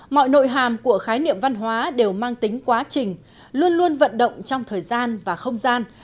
mọi nội hàm của khái niệm văn hóa đều mang tính quá trình luôn luôn vận động trong thời gian và không gian